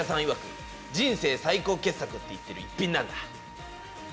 いわく「人生最高傑作」って言ってる逸品なんだ。